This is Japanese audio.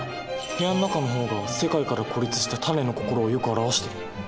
部屋の中の方が世界から孤立したタネの心をよく表している。